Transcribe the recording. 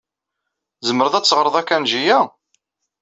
Tzemreḍ ad teɣreḍ akanji-a?